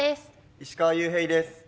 石川裕平です。